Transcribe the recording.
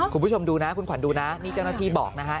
คุณผู้ชมดูนะคุณขวัญดูนะนี่เจ้าหน้าที่บอกนะฮะ